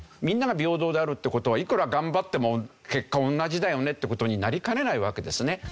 みんなが平等であるっていう事はいくら頑張っても結果同じだよねって事になりかねないわけですね。